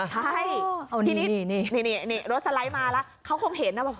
ใช่เอานี่นี่นี่นี่นี่นี่รถสไลด์มาแล้วเขาคงเห็นนะว่า